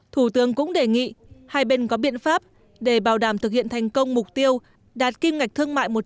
thủ tướng cũng đề nghị hai bên có biện pháp để bảo đảm thực hiện thành công mục tiêu đạt kim ngạch thương mại một